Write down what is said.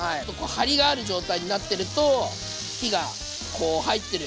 張りがある状態になってると火がこう入ってる状態なんで。